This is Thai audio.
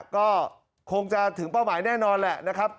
ก็คงจะถึงเป้าหมายแน่นอนแหละนะครับ